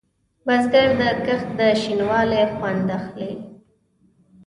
بزګر د کښت د شین والي خوند اخلي